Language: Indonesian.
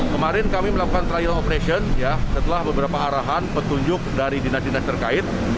kemarin kami melakukan trial operation setelah beberapa arahan petunjuk dari dinas dinas terkait